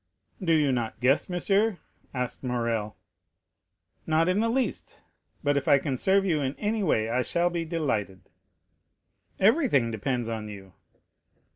"Do you not guess, monsieur?" asked Morrel. "Not in the least; but if I can serve you in any way I shall be delighted." "Everything depends on you."